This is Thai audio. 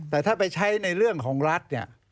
แต่ถ้าไปใช้ในเรื่องของรัฐเนี่ย